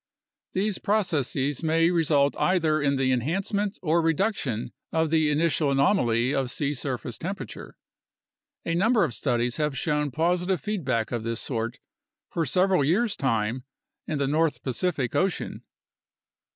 These processes may result either in the enhancement or reduction of the initial anomaly of sea surface temperature. A number of studies have shown positive feedback of this sort for several years' time in the North Pacific Ocean.